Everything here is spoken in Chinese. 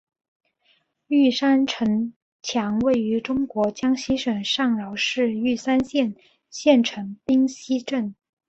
玉山城墙位于中国江西省上饶市玉山县县城冰溪镇。